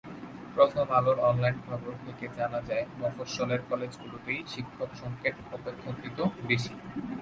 প্রথম আলোর অনলাইন খবর থেকে জানা যায়, মফস্বলের কলেজগুলোতেই শিক্ষক–সংকট অপেক্ষাকৃত বেশি।